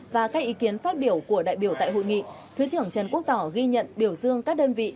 và các ý kiến phát biểu của đại biểu tại hội nghị thứ trưởng trần quốc tỏ ghi nhận biểu dương các đơn vị